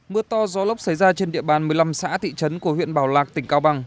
mưa to gió lốc xảy ra trên địa bàn một mươi năm xã thị trấn của huyện bảo lạc tỉnh cao bằng